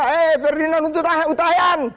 hey ferdinand untuk utahan